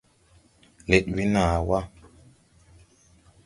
Lɛd we naa wà.